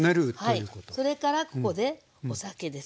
それからここでお酒です。